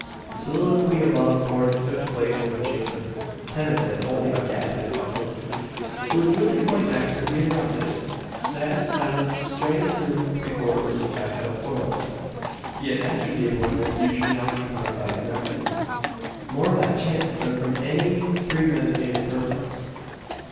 The soliloquy above reported took place in a chamber, tenanted only by Cassius Calhoun. It was Woodley Poindexter who interrupted it. Sad, silent, straying through the corridors of Casa del Corvo, he had entered the apartment usually occupied by his nephew more by chance than from any premeditated purpose.